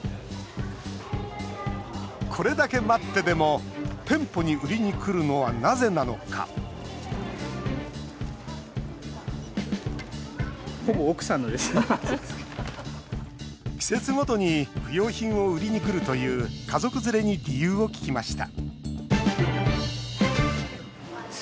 これだけ待ってでも、店舗に売りにくるのは、なぜなのか季節ごとに不用品を売りにくるという家族連れに理由を聞きました